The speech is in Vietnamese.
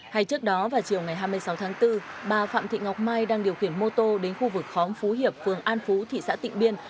hay trước đó vào chiều ngày hai mươi sáu tháng bốn bà phạm thị ngọc mai đang điều khiển mô tô đến khu vực khóm phú hiệp phường an phú thị xã tịnh biên